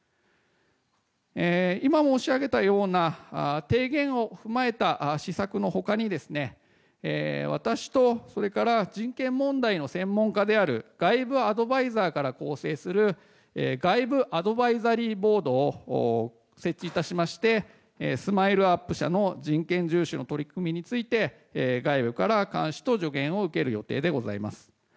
今申し上げたような提言を踏まえた施策の他に私と、それから人権問題の専門家である外部アドバイザーから構成する外部アドバイザリーボードを設置いたしましてＳＭＩＬＥ‐ＵＰ．社の人権重視の取り組みについて外部から監視と助言を受ける予定でございます。